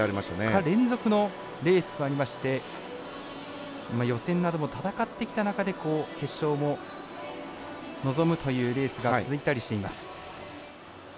３日連続のレースとなりまして予選なども戦ってきた中で決勝も臨むというレースが続いたりしています。